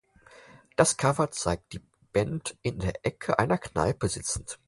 Das Cover zeigt die Band in der Ecke einer Kneipe sitzend.